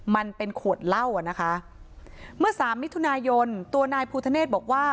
มันเป็นขวดเหล้าอ่ะนะคะเมื่อสามมิถุนายนตัวนายภูทะเนธบอกว่า